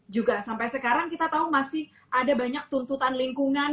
juga sampai sekarang kita tahu masih ada banyak tuntutan lingkungan